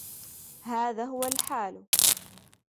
هذا هو الحال.